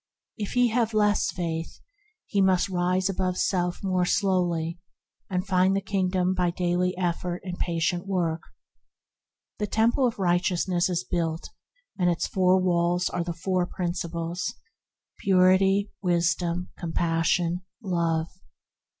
If he have less faith, he must rise above self more slowly, and find the Kingdom by daily effort and patient work. The Temple of Righteousness is now built, and its four walls are the four Principles of Purity, Wisdom, Compassion, Love.